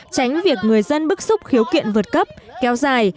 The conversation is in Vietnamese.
tránh việc người dân bức xúc khiếu kiện vượt cấp kéo dài